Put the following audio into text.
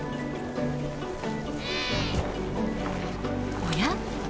おや？